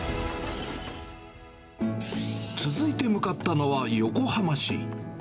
続いて向かったのは横浜市。